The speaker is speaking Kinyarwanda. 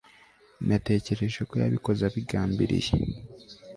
Natekereje ko yabikoze abigambiriye